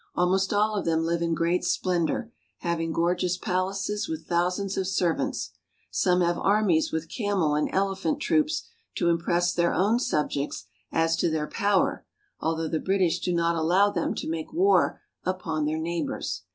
Almost all of them live in great splendor, having gorgeous palaces with thousands of servants. Some have armies with camel and elephant troops to impress their own subjects as to their power, although the British do not allow them to make war upon their neighbors.